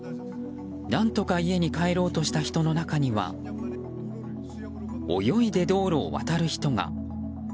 何とか家に帰ろうとした人の中には泳いで道路を渡る人が。